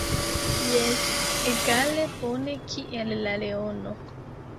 Jes, egale bone kiel la leono.